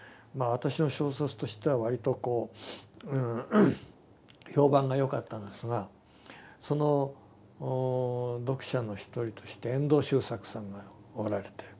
私の小説としてはわりとこう評判がよかったのですがその読者の一人として遠藤周作さんがおられて。